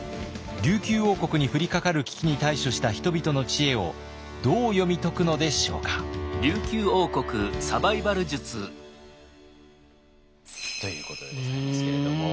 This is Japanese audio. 琉球王国に降りかかる危機に対処した人々の知恵をどう読み解くのでしょうか？ということでございますけれども。